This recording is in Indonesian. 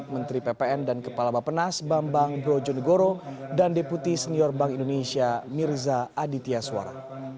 menteri ppn dan kepala bapenas bambang brojonegoro dan deputi senior bank indonesia mirza aditya suara